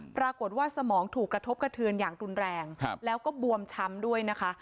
ปรากฏว่าสมองถูกกระทบกระเทือนอย่างรุนแรงแล้วก็บวมช้ำด้วยนะคะ